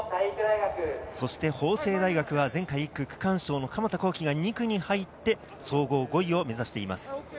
そして法政大学は前回１区区間賞の鎌田航生が２区に入って総合５位を目指しています。